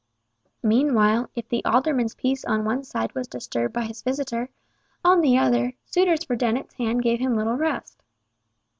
Meantime if the alderman's peace on one side was disturbed by his visitor, on the other, suitors for Dennet's hand gave him little rest.